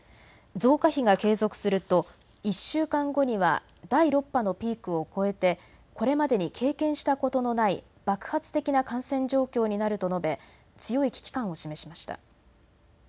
増加比が継続すると１週間後には第６波のピークを越えてこれまでに経験したことのない爆発的な感染状況になると述べ強い危機感を示しました。